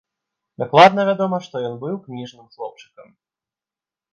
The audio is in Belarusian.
Дакладна вядома, што ён быў кніжным хлопчыкам.